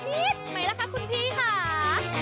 กลับไปแล้วค่ะคุณพี่ค่ะ